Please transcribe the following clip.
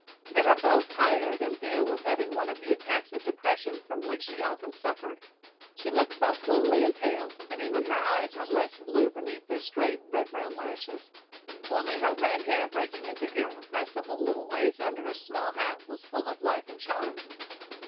They were both tired and Thea was having one of the attacks of depression from which she often suffered. She looked both homely and pale, and even her eyes were less blue beneath their straight, red brown lashes. Only her red hair breaking into irrepressible little waves under her small hat was full of life and charm.